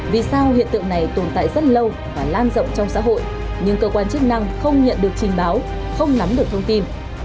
vì sao hiện tượng này tồn tại rất lâu và lan rộng trong xã hội nhưng cơ quan chức năng không nhận được trình báo không nắm được thông tin